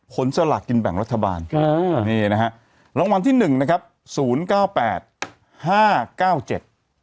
สลากกินแบ่งรัฐบาลอ่านี่นะฮะรางวัลที่หนึ่งนะครับศูนย์เก้าแปดห้าเก้าเจ็ด